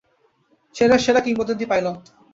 সেরার সেরা, কিংবদন্তি পাইলট।